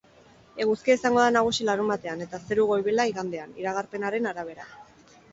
Eguzkia izango da nagusi larunbatean eta zeru goibela igandean, iragarpenaren arabera.